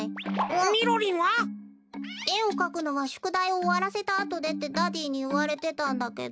みろりんは？えをかくのはしゅくだいをおわらせたあとでってダディーにいわれてたんだけど。